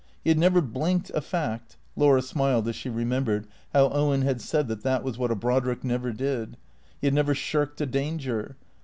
He had never blinked a fact (Laura smiled as she. remembered how Owen had said that that was what a Brodriek never did) ; he had never shirked a danger.